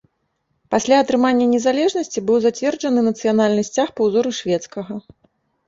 Пасля атрымання незалежнасці быў зацверджаны нацыянальны сцяг па ўзоры шведскага.